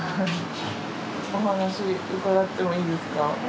お話伺ってもいいですか？